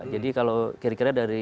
jadi kalau kira kira dari